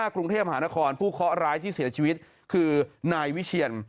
กรุงเทพหานครผู้เคาะร้ายที่เสียชีวิตคือนายวิเชียน